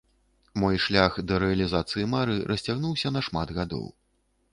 Мой шлях да рэалізацыі мары расцягнуўся на шмат гадоў.